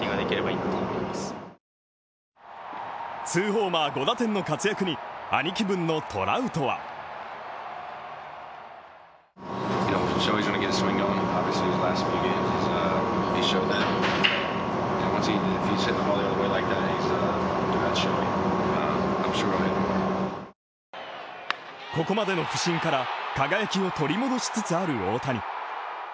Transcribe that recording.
２ホーマー、５打点の活躍に兄貴分のトラウトはここまで不振から輝きを取り戻しつつある大谷。